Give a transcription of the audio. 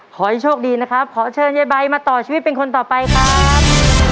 ขอให้โชคดีนะครับขอเชิญยายใบมาต่อชีวิตเป็นคนต่อไปครับ